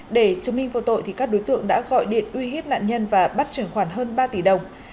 để chứng minh vô tội các đối tượng đã gọi điện uy hiếp nạn nhân và bắt chuyển khoản hơn ba tỷ đồng